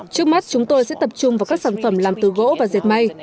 trước mắt chúng tôi sẽ tập trung vào các sản phẩm làm từ gỗ và diệt mây